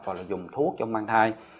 hoặc là dùng thuốc trong mang thai